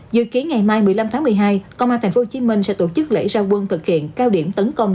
dự kiến ngày mai một mươi năm tháng một mươi hai công an tp hcm sẽ tổ chức lễ ra quân thực hiện cao điểm tấn công